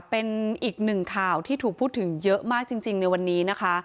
เป็นอีกหนึ่งข่าวที่ถูกพูดถึงเยอะมากจริงในวันนี้นะคะ